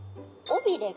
おびれ。